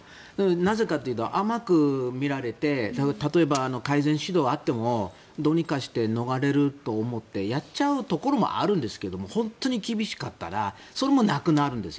なぜかというと、甘く見られて例えば改善指導があってもどうにかして逃れようと思ってやっちゃうところもあるんですが本当に厳しかったらそれもなくなるんです。